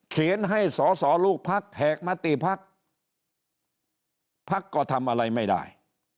เขียนให้สอสอลูกภักดิ์แหกมาตีภักดิ์ภักดิ์ก็ทำอะไรไม่ได้